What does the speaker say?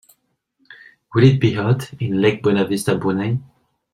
Will it be hot in Lake Buena Vista Brunei?